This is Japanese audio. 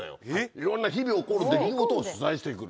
いろんな日々起こる出来事を取材してくる。